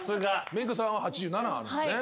メグさんは１８７あるんすね。